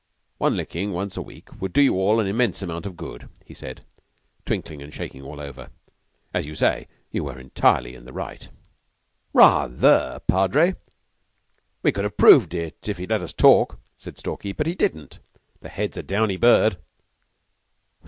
"One licking once a week would do you an immense amount of good," he said, twinkling and shaking all over; "and, as you say, you were entirely in the right." "Ra ather, Padre! We could have proved it if he'd let us talk," said Stalky; "but he didn't. The Head's a downy bird."